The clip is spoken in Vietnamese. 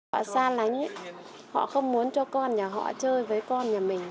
họ xa lánh họ không muốn cho con nhà họ chơi với con nhà mình